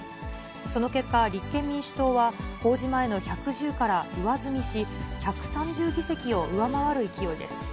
その結果、立憲民主党は公示前の１１０から上積みし、１３０議席を上回る勢いです。